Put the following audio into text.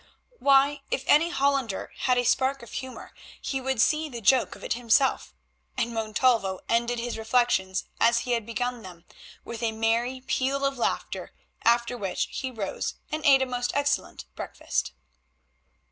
Why, if any Hollander had a spark of humour he would see the joke of it himself—and Montalvo ended his reflections as he had begun them, with a merry peal of laughter, after which he rose and ate a most excellent breakfast.